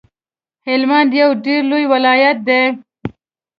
هلمند یو ډیر لوی ولایت دی